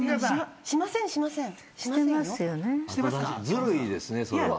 ずるいですねそれは。